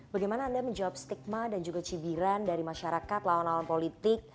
bagaimana anda menjawab stigma dan juga cibiran dari masyarakat lawan lawan politik